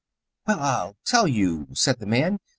"Well, I'll tell you," said the man.